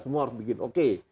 semua harus begini oke